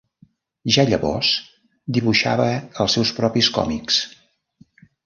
Ja llavors, dibuixava els seus propis còmics.